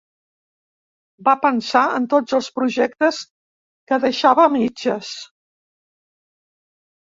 Va pensar en tots els projectes que deixava a mitges.